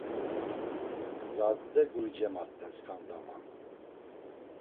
Zadde guri cemat̆en sǩanda, ma.